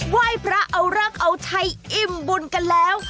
ไหว้พระเอารักเอาชัยอิ่มบุญกันแล้ว